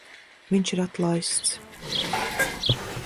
Viņš ir atlaists.